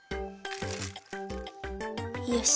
よし。